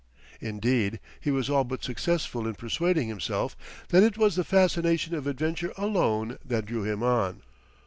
Indeed he was all but successful in persuading himself that it was the fascination of adventure alone that drew him on.